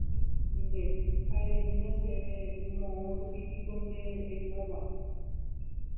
Nde, ha eremína chéve moõrupípiko nde reikóva